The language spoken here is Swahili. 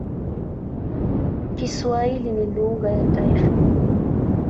Kiswahili ni lugha ya taifa.